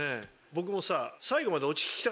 僕もさ最後まで。